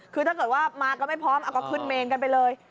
คือถ้าเกิดว่ามาก็ไม่พร้อมเอาก็ขึ้นเมนกันไปเลย